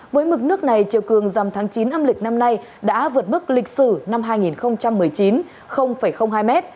với mực nước này chiều cường dầm tháng chín âm lịch năm nay đã vượt mức lịch sử năm hai nghìn một mươi chín hai m